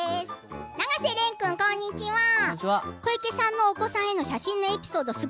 永瀬廉君こんにちは小池さんのお子さんへの写真のエピソード